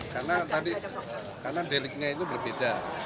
karena tadi karena deliknya itu berbeda